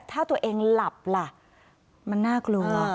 ถ้าตัวเองหลับล่ะมันน่ากลัว